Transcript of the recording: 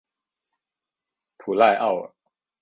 普赖奥尔。